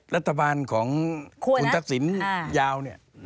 ลักษณ์ของคุณตัดสินยาว